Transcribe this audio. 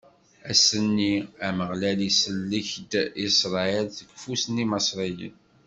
Ass-nni, Ameɣlal isellek-d Isṛayil seg ufus n Imaṣriyen.